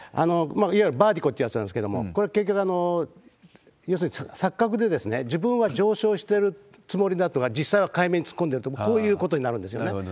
いわゆるバーディコってやつなんですけれども、これ、結局、要するに錯覚で、自分は上昇してるつもりが、実際は海面に突っ込んでると、こういうことになるんですね。